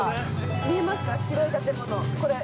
見えますか、白い建物、これ。